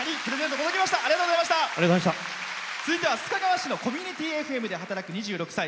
続いては須賀川のコミュニティーＦＭで働く２６歳。